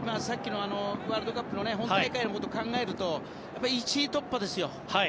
ワールドカップの本大会のことを考えるとやっぱり、１位突破ですよ。